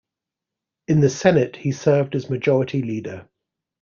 In the Senate, he served as Majority Leader.